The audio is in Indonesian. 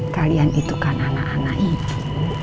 kalian itu kan anak anak itu